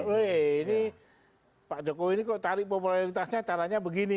weh ini pak jokowi ini kok cari popularitasnya caranya begini